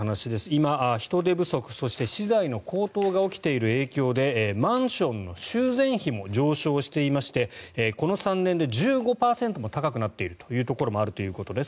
今、人手不足、そして資材の高騰が起きている影響でマンションの修繕費も上昇していましてこの３年で１５％も高くなっているというところもあるということです。